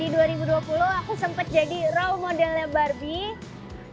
di dua ribu dua puluh aku sempat jadi role modelnya barbie